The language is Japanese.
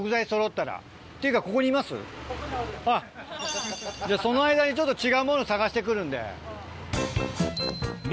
あっその間にちょっと違うもの探してくるんで。